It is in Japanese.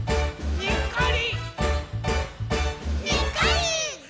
「にっこり！」